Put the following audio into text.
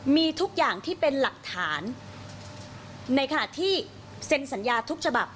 มีทุกอย่างที่เป็นหลักฐานในขณะที่เซ็นสัญญาทุกฉบับ